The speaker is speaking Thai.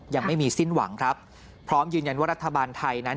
ยังไม่มีสิ้นหวังครับพร้อมยืนยันว่ารัฐบาลไทยนั้น